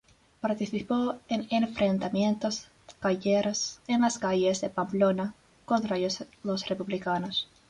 Participó en enfrentamientos callejeros en las calles de Pamplona contra los republicanos.